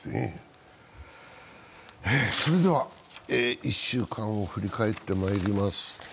それでは、一週間を振り返ってまいります。